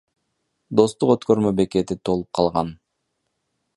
Достук өкмөрмө бекети толуп калган.